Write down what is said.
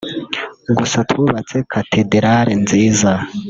Gusa twubatse Cathédrale nziza